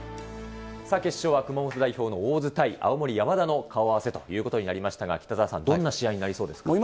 さあ、決勝は熊本代表の大津対青森山田の顔合わせということになりましたが、北澤さん、どんな試合になりそうですか。